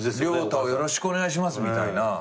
良多をよろしくお願いしますみたいな。